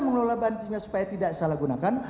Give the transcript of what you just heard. mengelola bahan kimia supaya tidak salah gunakan